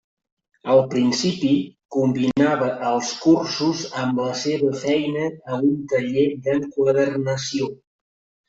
Al principi combinava els cursos amb la seva feina a un taller d’enquadernació.